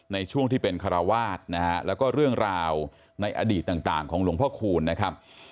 ในช่วงที่เป็นคาราวาสนะฮะแล้วก็เรื่องราวในอดีตต่างของหลวงพ่อคูณนะครับ